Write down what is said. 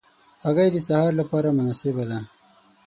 هګۍ د سهار له پاره مناسبه ده.